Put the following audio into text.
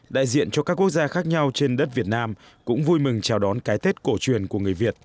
đại diện cho các quốc gia khác nhau trên đất việt nam cũng vui mừng chào đón cái tết cổ truyền của người việt